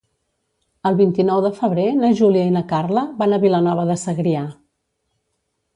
El vint-i-nou de febrer na Júlia i na Carla van a Vilanova de Segrià.